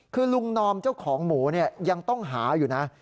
คือลุงนอมเจ้าของหมูยังต้องหาอยู่นะ